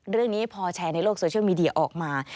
เรื่องนี้พอแชร์ในโลกโซเชียลมีเดียออกมา